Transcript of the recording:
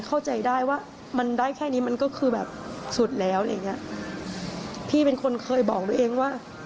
เข้าใจได้ว่ามันได้แค่นี้มันก็คือแบบสุดแล้วอะไรอย่างเงี้ยพี่เป็นคนเคยบอกตัวเองว่า